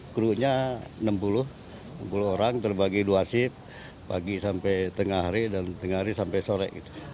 krunya enam puluh orang terbagi dua ship pagi sampai tengah hari dan tengah hari sampai sore